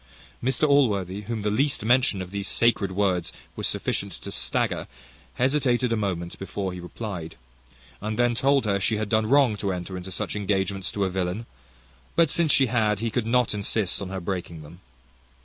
Mr Allworthy, whom the least mention of those sacred words was sufficient to stagger, hesitated a moment before he replied, and then told her, she had done wrong to enter into such engagements to a villain; but since she had, he could not insist on her breaking them.